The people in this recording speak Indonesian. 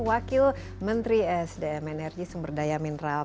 wakil menteri esdm energi dan sumber daya mineral